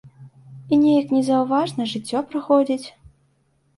І неяк незаўважна жыццё праходзіць.